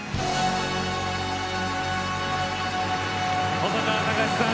細川たかしさん